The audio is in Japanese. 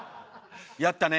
やったね。